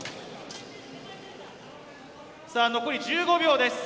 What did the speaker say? さぁ残り１５秒です。